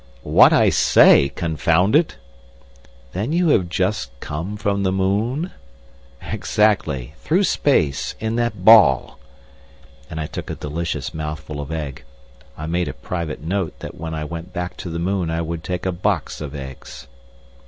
"What I say, confound it!" "Then you have just come from the moon?" "Exactly! through space—in that ball." And I took a delicious mouthful of egg. I made a private note that when I went back to the moon I would take a box of eggs.